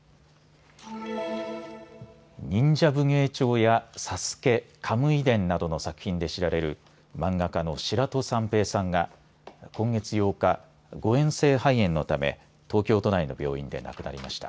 忍者武芸帳やサスケ、カムイ伝などの作品で知られる漫画家の白土三平さんが今月８日、誤えん性肺炎のため東京都内の病院で亡くなりました。